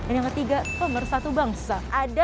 dan yang ketiga pemersatu bangsa